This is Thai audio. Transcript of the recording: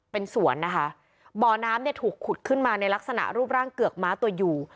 เป็นสวนนะคะบ่อน้ำเนี่ยถูกขุดขึ้นมาในลักษณะรูปร่างเกือกม้าตัวอยู่